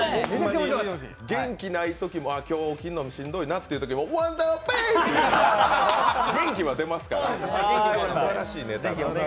元気ないときも今日起きるのがしんどいなっていうときも「ワンダーペーイ！」って言ったら元気が出ますから。